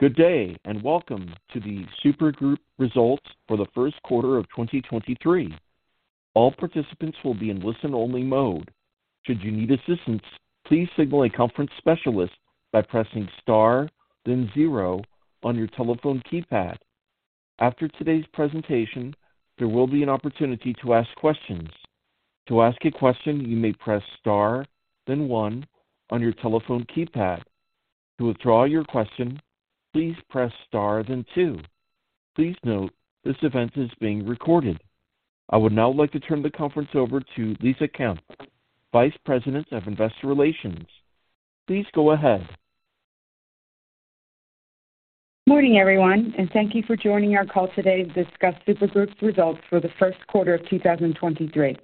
Good day. Welcome to the Super Group results for the first quarter of 2023. All participants will be in listen-only mode. Should you need assistance, please signal a conference specialist by pressing Star, then zero on your telephone keypad. After today's presentation, there will be an opportunity to ask questions. To ask a question, you may press Star, then one on your telephone keypad. To withdraw your question, please press Star, then two. Please note, this event is being recorded. I would now like to turn the conference over to Lisa Kampf, Vice President of Investor Relations. Please go ahead. Morning, everyone, thank you for joining our call today to discuss Super Group's results for the first quarter of 2023.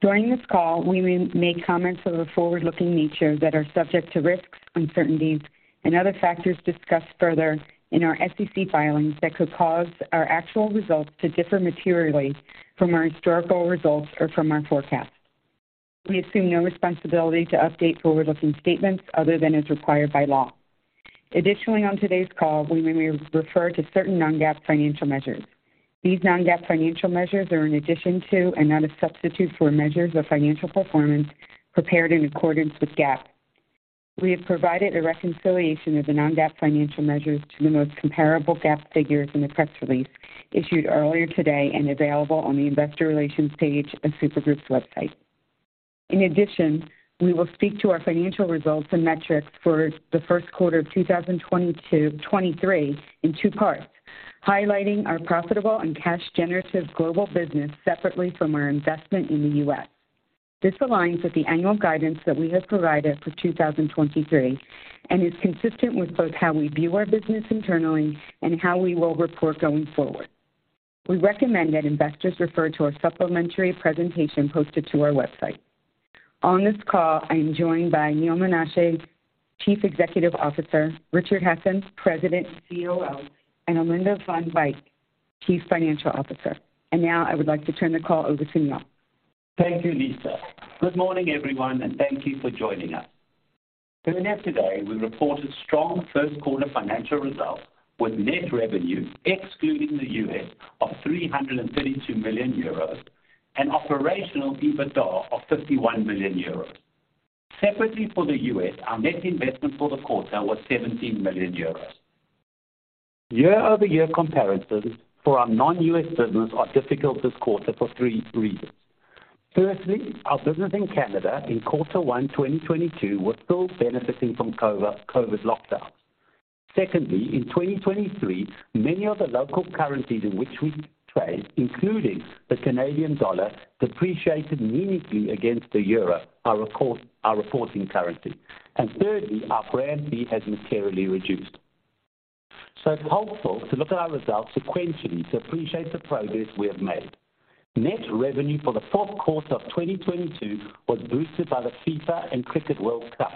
During this call, we may make comments of a forward-looking nature that are subject to risks, uncertainties and other factors discussed further in our SEC filings that could cause our actual results to differ materially from our historical results or from our forecasts. We assume no responsibility to update forward-looking statements other than as required by law. Additionally, on today's call, we may refer to certain non-GAAP financial measures. These non-GAAP financial measures are in addition to and not a substitute for measures of financial performance prepared in accordance with GAAP. We have provided a reconciliation of the non-GAAP financial measures to the most comparable GAAP figures in the press release issued earlier today and available on the investor relations page of Super Group's website. In addition, we will speak to our financial results and metrics for the first quarter of 2023 in 2 parts, highlighting our profitable and cash generative global business separately from our investment in the US. This aligns with the annual guidance that we have provided for 2023 and is consistent with both how we view our business internally and how we will report going forward. We recommend that investors refer to our supplementary presentation posted to our website. On this call, I am joined by Neal Menashe, Chief Executive Officer, Richard Hasson, President and COO, and Alinda van Wyk, Chief Financial Officer. Now I would like to turn the call over to Neal. Thank you, Lisa. Good morning, everyone, and thank you for joining us. Earlier today, we reported strong first quarter financial results with net revenues excluding the U.S. of 332 million euros and Operational EBITDA of 51 million euros. Separately for the U.S., our net investment for the quarter was 17 million euros. Year-over-year comparisons for our non-U.S. business are difficult this quarter for three reasons. Firstly, our business in Canada in quarter one 2022 was still benefiting from COVID lockdowns. Secondly, in 2023, many of the local currencies in which we trade, including the Canadian dollar, depreciated meaningfully against the euro, our reporting currency. Thirdly, our brand fee has materially reduced. It's helpful to look at our results sequentially to appreciate the progress we have made. Net revenue for the Q4 of 2022 was boosted by the FIFA and Cricket World Cup.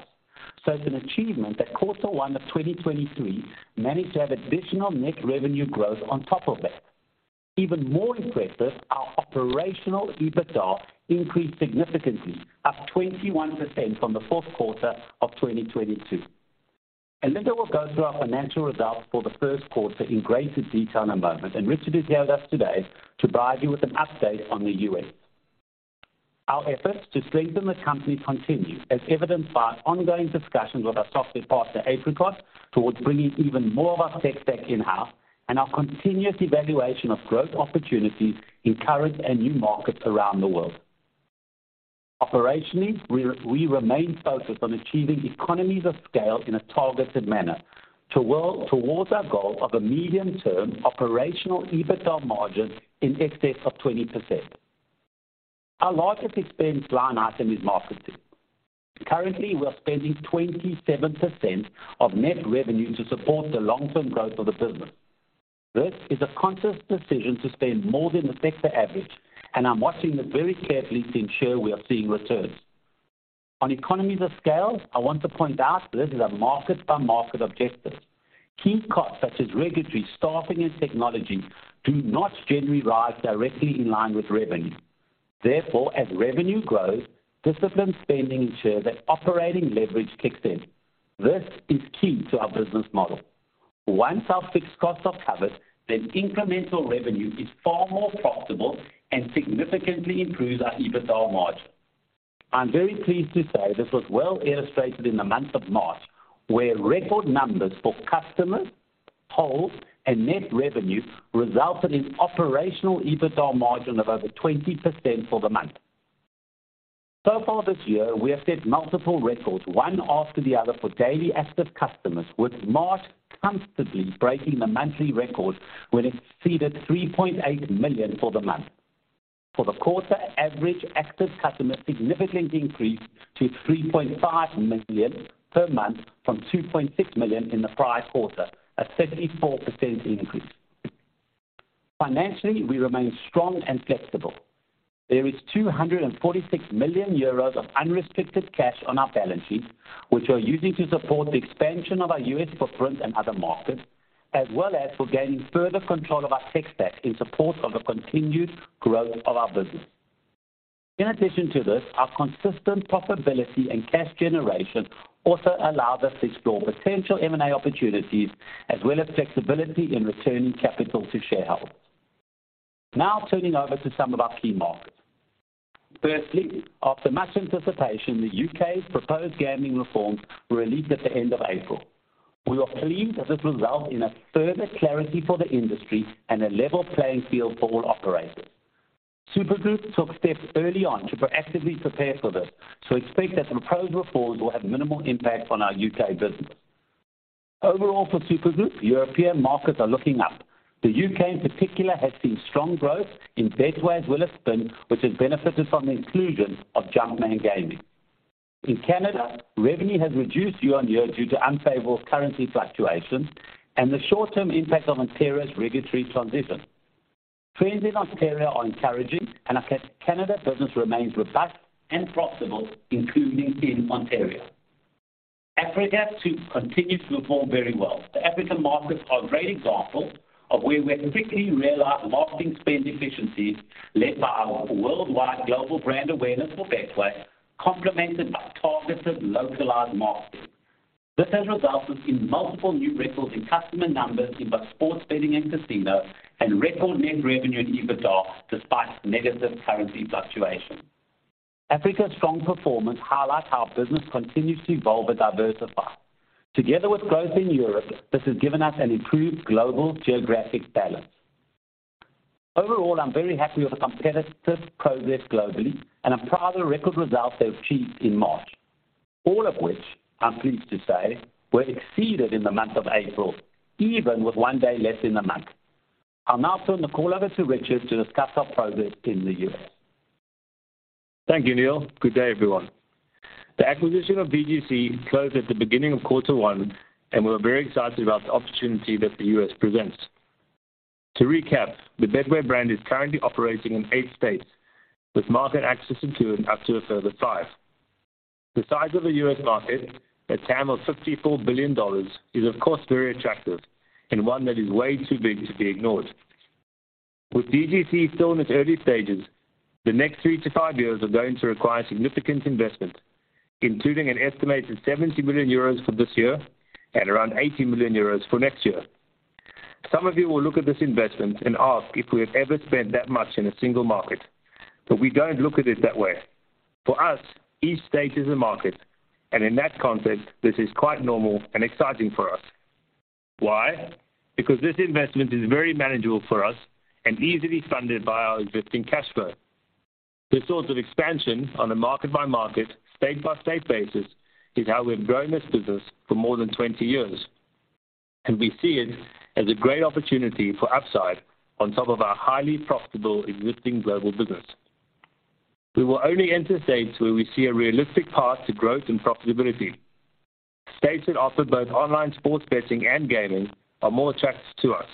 It's an achievement that Q1 of 2023 managed to have additional net revenue growth on top of that. Even more impressive, our Operational EBITDA increased significantly, up 21% from the Q4 of 2022. Alinda will go through our financial results for the first quarter in greater detail in a moment. Richard is here with us today to provide you with an update on the U.S. Our efforts to strengthen the company continue, as evidenced by our ongoing discussions with our software partner, Apricot, towards bringing even more of our tech stack in-house and our continuous evaluation of growth opportunities in current and new markets around the world. Operationally, we remain focused on achieving economies of scale in a targeted manner towards our goal of a medium-term Operational EBITDA margin in excess of 20%. Our largest expense line item is marketing. Currently, we are spending 27% of net revenue to support the long-term growth of the business. This is a conscious decision to spend more than the sector average, and I'm watching it very carefully to ensure we are seeing returns. On economies of scale, I want to point out this is a market-by-market objective. Key costs such as regulatory, staffing, and technology do not generally rise directly in line with revenue. As revenue grows, disciplined spending ensures that operating leverage kicks in. This is key to our business model. Once our fixed costs are covered, then incremental revenue is far more profitable and significantly improves our EBITDA margin. I'm very pleased to say this was well illustrated in the month of March, where record numbers for customers, holds, and net revenue resulted in Operational EBITDA margin of over 20% for the month. So far this year, we have set multiple records, one after the other, for daily active customers, with March constantly breaking the monthly record when it exceeded 3.8 million for the month. For the quarter, average active customers significantly increased to 3.5 million per month from 2.6 million in the prior quarter, a 34% increase. Financially, we remain strong and flexible. There is 246 million euros of unrestricted cash on our balance sheet, which we're using to support the expansion of our U.S. footprint and other markets, as well as for gaining further control of our tech stack in support of the continued growth of our business. In addition to this, our consistent profitability and cash generation also allow us to explore potential M&A opportunities as well as flexibility in returning capital to shareholders. Now turning over to some of our key markets. Firstly, after much anticipation, the U.K.'s proposed gambling reforms were released at the end of April. We are pleased that this result in a further clarity for the industry and a level playing field for all operators. Super Group took steps early on to proactively prepare for this, so expect that the proposed reforms will have minimal impact on our U.K. business. Overall, for Super Group, European markets are looking up. The U.K. in particular, has seen strong growth in Betway as well as Spin, which has benefited from the inclusion of Jumpman Gaming. In Canada, revenue has reduced year-on-year due to unfavorable currency fluctuations and the short-term impact of Ontario's regulatory transition. Trends in Ontario are encouraging. Our Canada business remains robust and profitable, including in Ontario. Africa too continues to perform very well. The African markets are a great example of where we have quickly realized marketing spend efficiencies led by our worldwide global brand awareness for Betway, complemented by targeted localized marketing. This has resulted in multiple new records in customer numbers in both sports betting and casino and record net revenue and EBITDA despite negative currency fluctuation. Africa's strong performance highlights how our business continues to evolve and diversify. Together with growth in Europe, this has given us an improved global geographic balance. Overall, I'm very happy with the competitive progress globally, and I'm proud of the record results they achieved in March. All of which, I'm pleased to say, were exceeded in the month of April, even with one day less in the month. I'll now turn the call over to Richard to discuss our progress in the U.S. Thank you, Neal. Good day, everyone. The acquisition of DGC closed at the beginning of quarter one, and we're very excited about the opportunity that the U.S. presents. To recap, the Betway brand is currently operating in eight states, with market access into up to a further five. The size of the U.S. market, a TAM of $54 billion, is of course very attractive and one that is way too big to be ignored. With DGC still in its early stages, the next three-five years are going to require significant investment, including an estimated 70 million euros for this year and around 80 million euros for next year. Some of you will look at this investment and ask if we have ever spent that much in a single market. We don't look at it that way. For us, each state is a market, and in that context, this is quite normal and exciting for us. Why? Because this investment is very manageable for us and easily funded by our existing cash flow. This sort of expansion on a market-by-market, state-by-state basis is how we've grown this business for more than 20 years, and we see it as a great opportunity for upside on top of our highly profitable existing global business. We will only enter states where we see a realistic path to growth and profitability. States that offer both online sports betting and gaming are more attractive to us,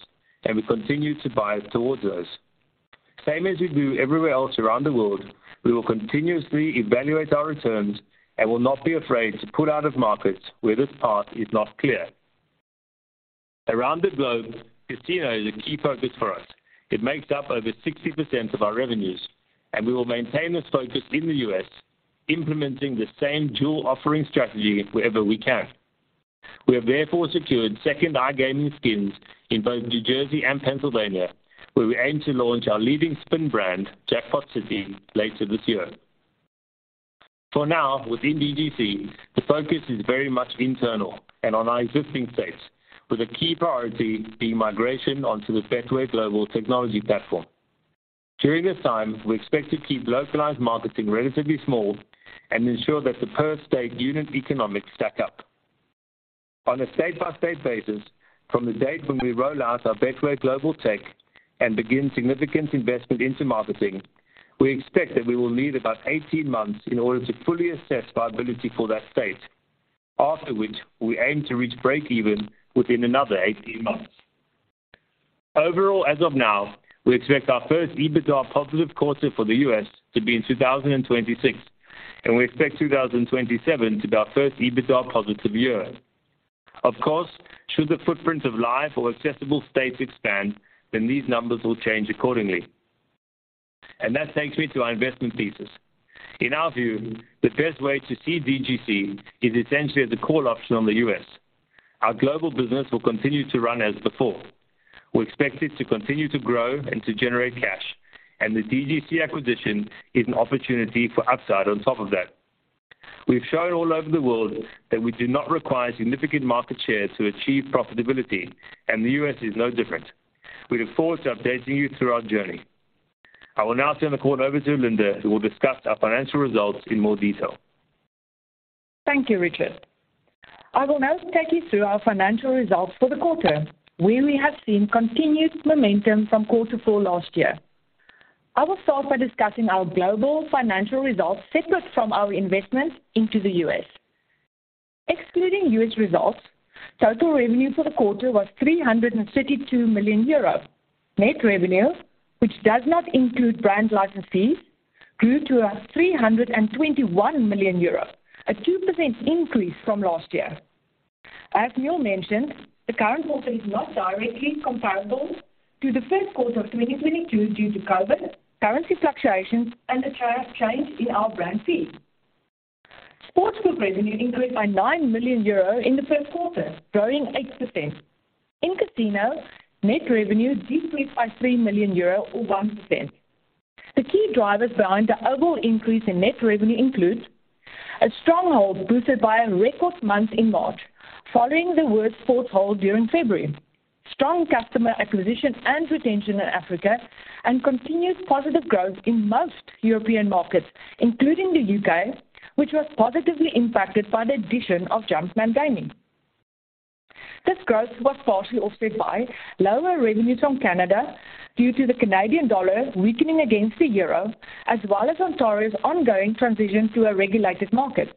and we continue to bias towards those. Same as we do everywhere else around the world, we will continuously evaluate our returns and will not be afraid to pull out of markets where this path is not clear. Around the globe, casino is a key focus for us. It makes up over 60% of our revenues, and we will maintain this focus in the U.S., implementing the same dual offering strategy wherever we can. We have therefore secured second iGaming skins in both New Jersey and Pennsylvania, where we aim to launch our leading skin brand, JackpotCity, later this year. For now, within DGC, the focus is very much internal and on our existing states, with a key priority being migration onto the Betway Global Technology Platform. During this time, we expect to keep localized marketing relatively small and ensure that the per state unit economics stack up. On a state-by-state basis, from the date when we roll out our Betway global tech and begin significant investment into marketing, we expect that we will need about 18 months in order to fully assess viability for that state. We aim to reach breakeven within another 18 months. Overall, as of now, we expect our first EBITDA positive quarter for the U.S. to be in 2026, we expect 2027 to be our first EBITDA positive year. Of course, should the footprint of live or accessible states expand, these numbers will change accordingly. That takes me to our investment thesis. In our view, the best way to see DGC is essentially as a call option on the U.S. Our global business will continue to run as before. We expect it to continue to grow and to generate cash, the DGC acquisition is an opportunity for upside on top of that. We've shown all over the world that we do not require significant market share to achieve profitability, the U.S. is no different. We look forward to updating you through our journey. I will now turn the call over to Alinda, who will discuss our financial results in more detail. Thank you, Richard. I will now take you through our financial results for the quarter, where we have seen continued momentum from Q4 last year. I will start by discussing our global financial results separate from our investment into the U.S. Excluding U.S. results, total revenue for the quarter was 332 million euros. Net revenue, which does not include brand license fees, grew to 321 million euros, a 2% increase from last year. As Neal mentioned, the current quarter is not directly comparable to the first quarter of 2022 due to COVID, currency fluctuations, and a tariff change in our brand fees. Sportsbook revenue increased by 9 million euro in the first quarter, growing 8%. In casino, net revenue decreased by 3 million euro or 1%. The key drivers behind the overall increase in net revenue includes a stronghold boosted by a record month in March, following the worst sports hold during February, strong customer acquisition and retention in Africa, and continued positive growth in most European markets, including the U.K., which was positively impacted by the addition of Jumpman Gaming. This growth was partially offset by lower revenues from Canada due to the Canadian dollar weakening against the euro, as well as Ontario's ongoing transition to a regulated market.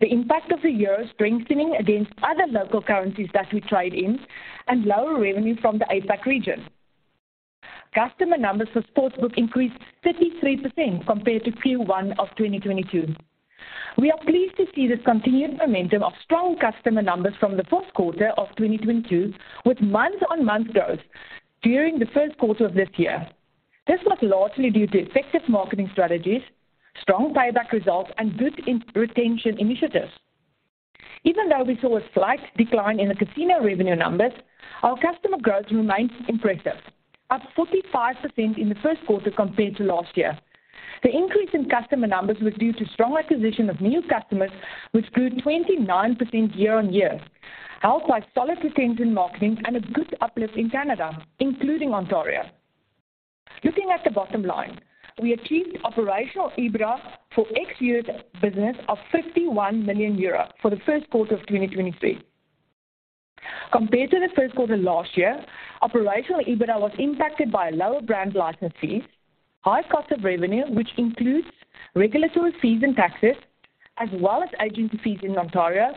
The impact of the euro strengthening against other local currencies that we trade in and lower revenue from the APAC region. Customer numbers for sportsbook increased 53% compared to Q1 of 2022. We are pleased to see this continued momentum of strong customer numbers from the fourth quarter of 2022, with month-on-month growth during the first quarter of this year. This was largely due to effective marketing strategies, strong payback results, and good in- retention initiatives. Even though we saw a slight decline in the casino revenue numbers, our customer growth remains impressive, up 45% in the first quarter compared to last year. The increase in customer numbers was due to strong acquisition of new customers, which grew 29% year-on-year, helped by solid retention marketing and a good uplift in Canada, including Ontario. Looking at the bottom line, we achieved Operational EBITDA for X year's business of 51 million euro for the first quarter of 2023. Compared to the first quarter last year, Operational EBITDA was impacted by lower brand license fees, high cost of revenue, which includes regulatory fees and taxes, as well as agency fees in Ontario,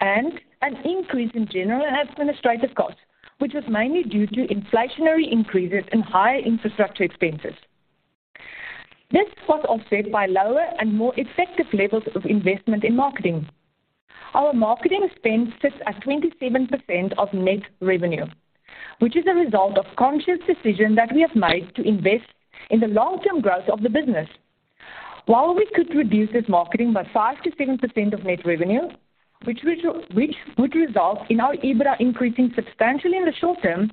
and an increase in general administrative costs, which was mainly due to inflationary increases and higher infrastructure expenses. This was offset by lower and more effective levels of investment in marketing. Our marketing spend sits at 27% of net revenue, which is a result of conscious decision that we have made to invest in the long-term growth of the business. While we could reduce this marketing by 5%-7% of net revenue, which would result in our EBITDA increasing substantially in the short term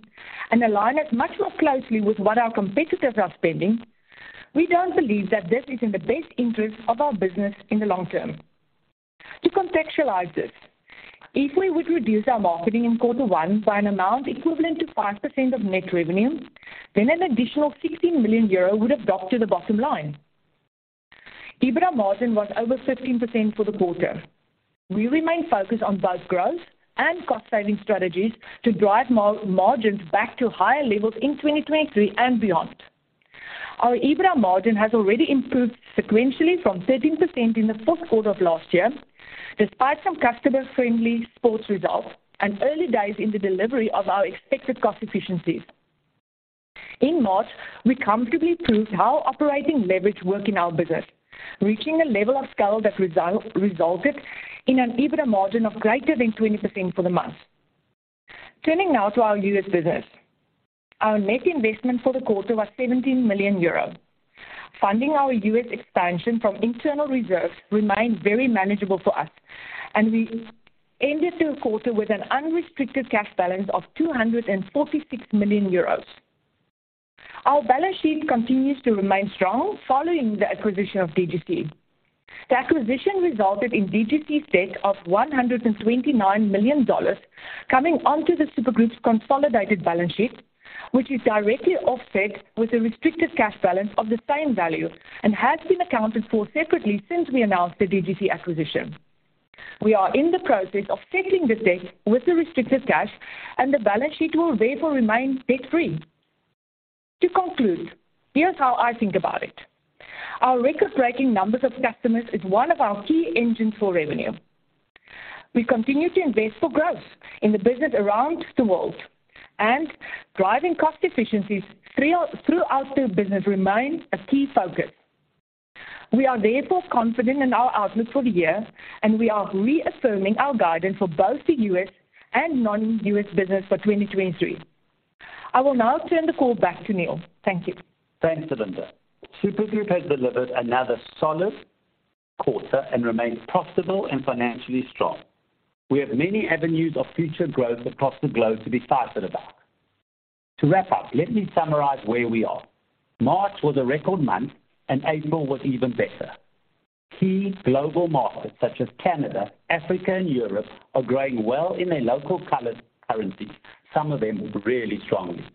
and align us much more closely with what our competitors are spending, we don't believe that this is in the best interest of our business in the long term. To contextualize this, if we would reduce our marketing in quarter one by an amount equivalent to 5% of net revenue, an additional 16 million euro would have dropped to the bottom line. EBITDA margin was over 15% for the quarter. We remain focused on both growth and cost-saving strategies to drive margins back to higher levels in 2023 and beyond. Our EBITDA margin has already improved sequentially from 13% in the fourth quarter of last year, despite some customer-friendly sports results and early days in the delivery of our expected cost efficiencies. In March, we comfortably proved how operating leverage work in our business, reaching a level of scale that resulted in an EBITDA margin of greater than 20% for the month. Turning now to our U.S. business. Our net investment for the quarter was 17 million euro. Funding our U.S. expansion from internal reserves remained very manageable for us, and we ended the quarter with an unrestricted cash balance of 246 million euros. Our balance sheet continues to remain strong following the acquisition of DGC. The acquisition resulted in DGC debt of $129 million coming onto the Super Group's consolidated balance sheet, which is directly offset with a restricted cash balance of the same value and has been accounted for separately since we announced the DGC acquisition. We are in the process of settling this debt with the restricted cash, and the balance sheet will therefore remain debt-free. To conclude, here's how I think about it. Our record-breaking numbers of customers is one of our key engines for revenue. We continue to invest for growth in the business around the world, and driving cost efficiencies throughout the business remains a key focus. We are therefore confident in our outlook for the year, and we are reaffirming our guidance for both the U.S. and non-U.S. business for 2023. I will now turn the call back to Neal. Thank you. Thanks, Alinda van Wyk. Super Group has delivered another solid quarter and remains profitable and financially strong. We have many avenues of future growth across the globe to be excited about. To wrap up, let me summarize where we are. March was a record month, and April was even better. Key global markets such as Canada, Africa, and Europe are growing well in their local currency, some of them really strongly.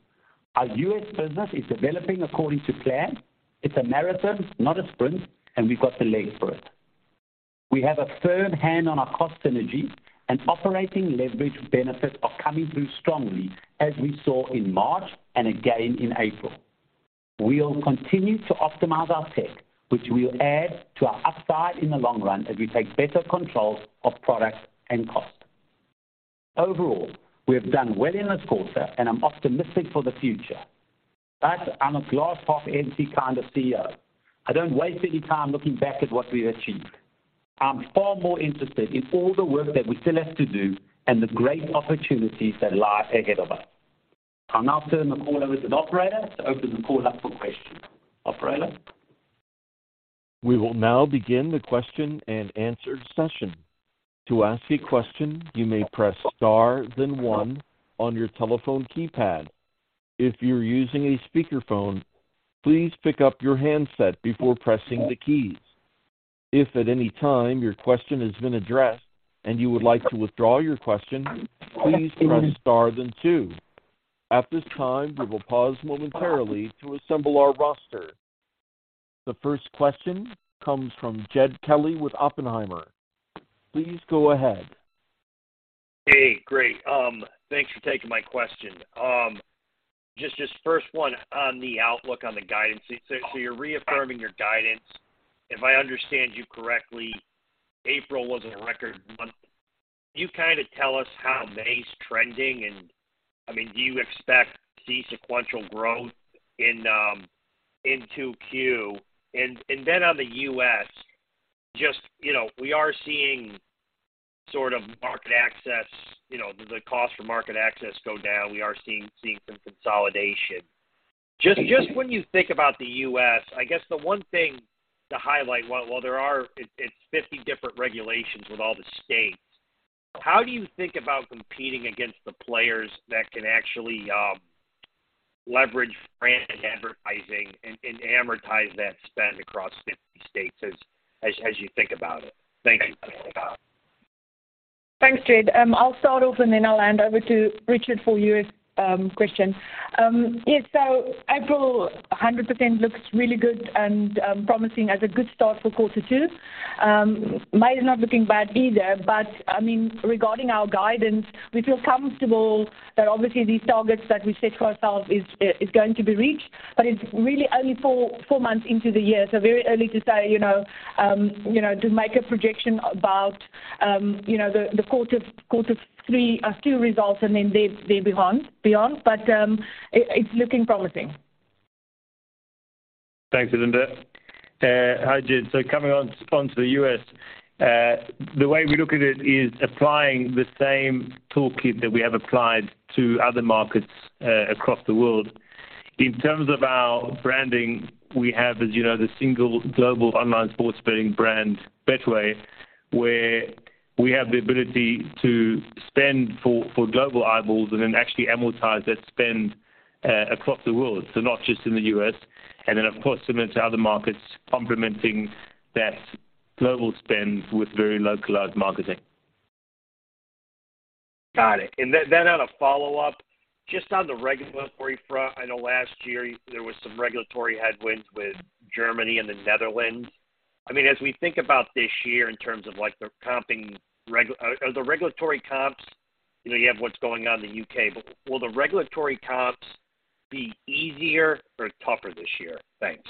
Our U.S. business is developing according to plan. It's a marathon, not a sprint, and we've got the legs for it. We have a firm hand on our cost synergy and operating leverage benefits are coming through strongly, as we saw in March and again in April. We'll continue to optimize our tech, which will add to our upside in the long run as we take better controls of products and cost. Overall, we have done well in this quarter, and I'm optimistic for the future. I'm a glass half empty kind of CEO. I don't waste any time looking back at what we have achieved. I'm far more interested in all the work that we still have to do and the great opportunities that lie ahead of us. I'll now turn the call over to the operator to open the call up for questions. Operator? We will now begin the question and answer session. To ask a question, you may press star then one on your telephone keypad. If you're using a speakerphone, please pick up your handset before pressing the keys. If at any time your question has been addressed and you would like to withdraw your question, please press star then two. At this time, we will pause momentarily to assemble our roster. The first question comes from Jed Kelly with Oppenheimer. Please go ahead. Hey, great. Thanks for taking my question. Just first one on the outlook on the guidance. You're reaffirming your guidance. If I understand you correctly, April was a record month. Can you kind of tell us how May is trending? I mean, do you expect to see sequential growth in 2Q? Then on the U.S. just, you know, we are seeing sort of market access, you know, the cost for market access go down. We are seeing some consolidation. Just when you think about the U.S., I guess the one thing to highlight, while it's 50 different regulations with all the states, how do you think about competing against the players that can actually leverage brand advertising and amortize that spend across 50 states as you think about it? Thank you. Thanks, Jed. I'll start off, then I'll hand over to Richard for US question. April 100% looks really good and promising as a good start for quarter 2. May is not looking bad either. I mean, regarding our guidance, we feel comfortable that obviously these targets that we set ourselves is going to be reached, but it's really only four months into the year, very early to say, you know, to make a projection about, you know, the quarter 3, Q3 results and then there beyond. It's looking promising. Thanks, Alinda. Hi, Jed. Onto the U.S., the way we look at it is applying the same toolkit that we have applied to other markets across the world. In terms of our branding, we have, as you know, the single global online sports betting brand, Betway, where we have the ability to spend for global eyeballs and then actually amortize that spend across the world. Not just in the U.S., and then of course similar to other markets complementing that global spend with very localized marketing. Got it. Then on a follow-up, just on the regulatory front, I know last year there was some regulatory headwinds with Germany and the Netherlands. I mean, as we think about this year in terms of like the comping, are the regulatory comps... You know, you have what's going on in the U.K., but will the regulatory comps be easier or tougher this year? Thanks.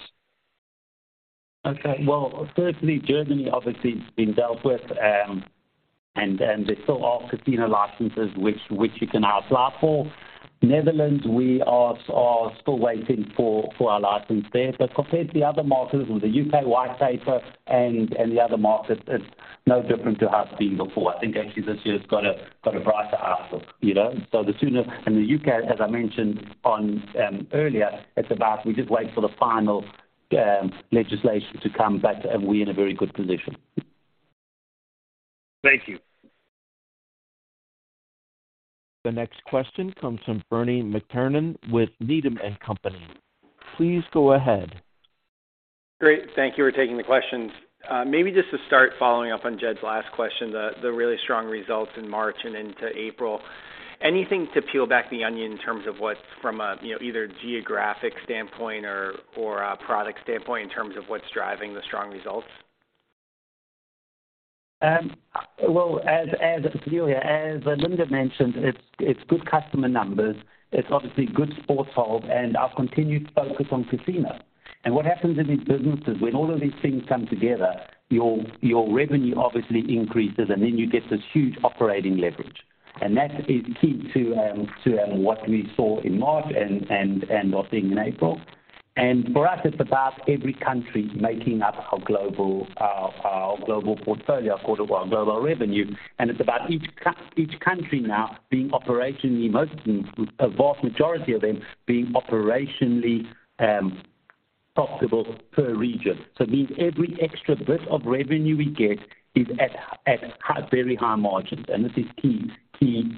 Well, firstly, Germany obviously has been dealt with, and there still are casino licenses which you can now apply for. Netherlands, we are still waiting for our license there. Compared to the other markets with the U.K. White Paper and the other markets, it's no different to how it's been before. I think actually this year has got a brighter outlook, you know? In the U.K., as I mentioned on earlier, it's about we just wait for the final legislation to come, but we're in a very good position. Thank you. The next question comes from Bernie McTernan with Needham & Company. Please go ahead. Great. Thank you for taking the questions. Maybe just to start following up on Jed's last question, the really strong results in March and into April. Anything to peel back the onion in terms of what's from a, you know, either geographic standpoint or a product standpoint in terms of what's driving the strong results? as Alinda mentioned, it's good customer numbers. It's obviously good sports hold and our continued focus on casino. What happens in these businesses, when all of these things come together, your revenue obviously increases, and then you get this huge operating leverage. That is key to what we saw in March and are seeing in April. For us, it's about every country making up our global, our global portfolio, call it our global revenue. It's about each country now being operationally, most of them, a vast majority of them being operationally profitable per region. It means every extra bit of revenue we get is at very high margins. This is key, key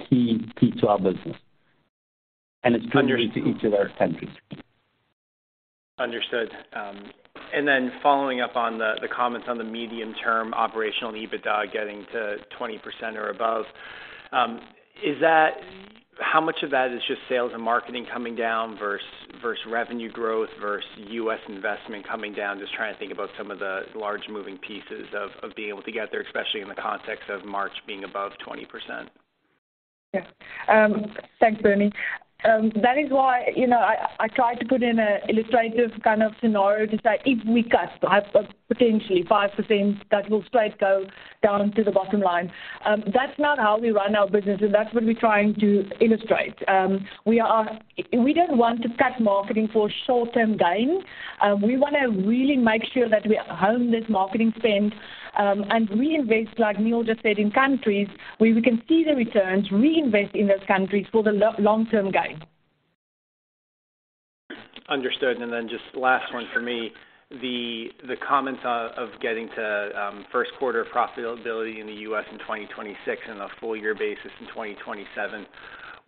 to our business. It's true to each of our countries. Understood. Following up on the comments on the medium-term Operational EBITDA getting to 20% or above, how much of that is just sales and marketing coming down versus revenue growth versus U.S. investment coming down? Just trying to think about some of the large moving pieces of being able to get there, especially in the context of March being above 20%. Yeah. Thanks, Bernie. That is why, you know, I tried to put in a illustrative kind of scenario to say if we cut potentially 5%, that will straight go down to the bottom line. That's not how we run our business, and that's what we're trying to illustrate. We don't want to cut marketing for short-term gain. We wanna really make sure that we hone this marketing spend, and reinvest, like Neal just said, in countries where we can see the returns, reinvest in those countries for the long term gain. Understood. Just last one for me. The comments of getting to first quarter profitability in the U.S. in 2026 and a full year basis in 2027,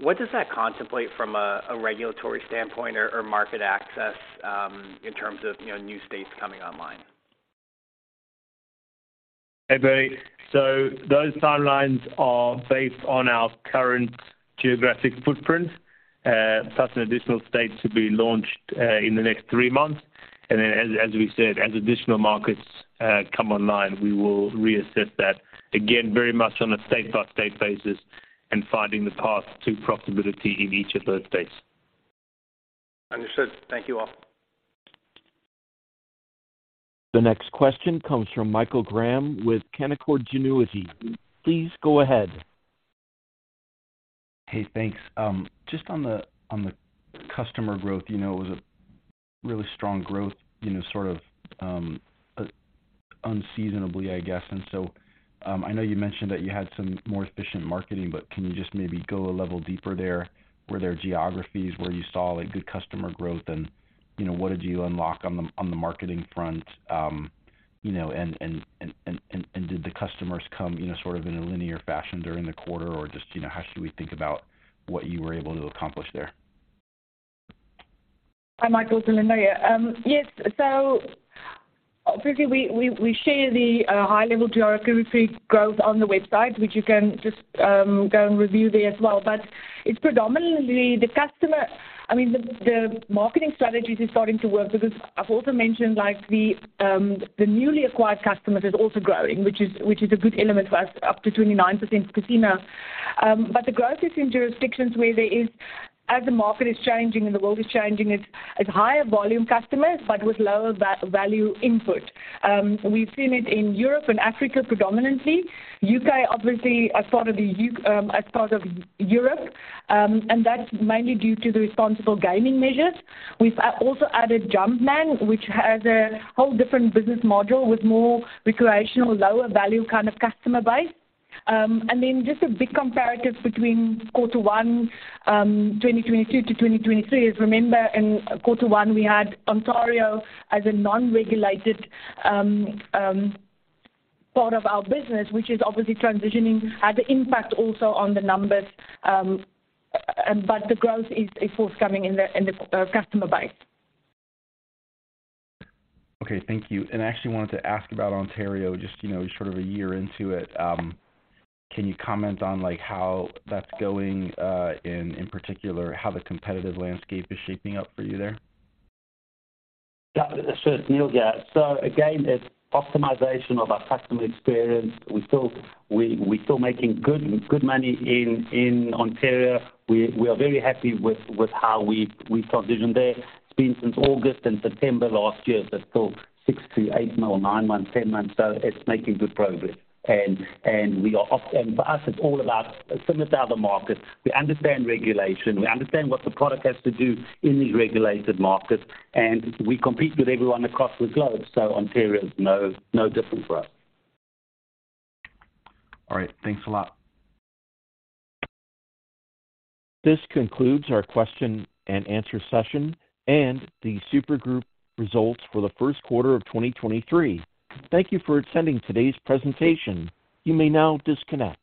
what does that contemplate from a regulatory standpoint or market access, in terms of, you know, new states coming online? Hey, Bernie. Those timelines are based on our current geographic footprint, plus an additional state to be launched, in the next three months. As we said, as additional markets, come online, we will reassess that, again, very much on a state-by-state basis and finding the path to profitability in each of those states. Understood. Thank you all. The next question comes from Michael Graham with Canaccord Genuity. Please go ahead. Hey, thanks. just on the, on the customer growth, you know, it was a really strong growth, you know, sort of unseasonably, I guess. I know you mentioned that you had some more efficient marketing, but can you just maybe go a level deeper there? Were there geographies where you saw, like, good customer growth? you know, what did you unlock on the, on the marketing front? you know, and did the customers come, you know, sort of in a linear fashion during the quarter? Or just, you know, how should we think about what you were able to accomplish there? Hi, Michael. Alinda van Wyk here. Briefly, we share the high-level geographic growth on the website, which you can just go and review there as well. It's predominantly. I mean, the marketing strategies is starting to work because I've also mentioned like the newly acquired customers is also growing, which is a good element for us, up to 29% casino. The growth is in jurisdictions where there is, as the market is changing and the world is changing, it's higher volume customers, but with lower value input. We've seen it in Europe and Africa predominantly. U.K., obviously as part of Europe, that's mainly due to the responsible gaming measures. We've also added Jumpman, which has a whole different business module with more recreational, lower value kind of customer base. Just a big comparative between quarter one, 2022 to 2023 is remember in quarter one we had Ontario as a non-regulated part of our business, which is obviously transitioning. Had an impact also on the numbers. The growth is forthcoming in the, in the customer base. Okay. Thank you. I actually wanted to ask about Ontario just, you know, sort of a year into it. Can you comment on, like, how that's going, in particular, how the competitive landscape is shaping up for you there? Yeah. Sure. It's Neal here. Again, it's optimization of our customer experience. We feel we still making good money in Ontario. We are very happy with how we've transitioned there. It's been since August and September last year. It's still six to eight month, nine months, 10 months. It's making good progress. For us it's all about similar to other markets. We understand regulation, we understand what the product has to do in these regulated markets, and we compete with everyone across the globe, so Ontario is no different for us. All right. Thanks a lot. This concludes our question and answer session and the Super Group results for the first quarter of 2023. Thank you for attending today's presentation. You may now disconnect.